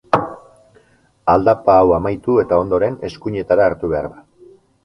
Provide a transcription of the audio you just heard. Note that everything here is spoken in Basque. Aldapa hau amaitu eta ondoren, eskuinetara hartu behar da.